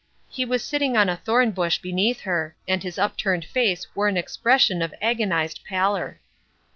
He was sitting on a thorn bush beneath her, and his upturned face wore an expression of agonised pallor.